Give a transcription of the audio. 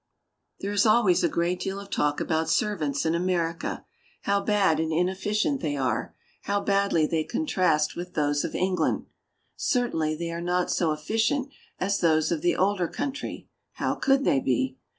There is always a great deal of talk about servants in America, how bad and inefficient they are, how badly they contrast with those of England. Certainly, they are not so efficient as those of the older country; how could they be?